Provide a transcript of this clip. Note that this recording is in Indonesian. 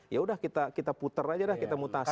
yaudah kita puter aja dah kita mutasi